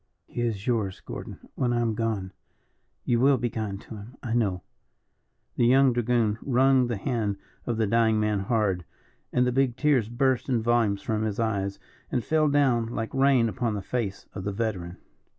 He is yours, Gordon, when I am gone. You will be kind to him, I know." The young dragoon wrung the hand of the dying man hard, and the big tears burst in volumes from his eyes, and fell down like rain upon the face of the veteran.